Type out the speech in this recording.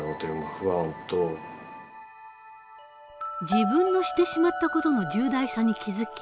自分のしてしまった事の重大さに気付き